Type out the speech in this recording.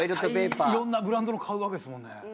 絶対いろんなブランドの買うわけですもんね。